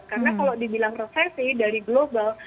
karena kalau dibilang resesi dari global